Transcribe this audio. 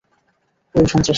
ঐ, সন্ত্রাসী!